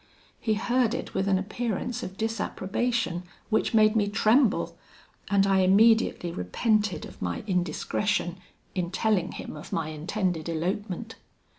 He heard it with an appearance of disapprobation, which made me tremble; and I immediately repented of my indiscretion, in telling him of my intended elopement.